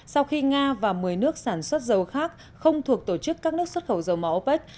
sau khi nga và một mươi nước sản xuất dầu khác không thuộc tổ chức các nước xuất khẩu dầu mỏ opec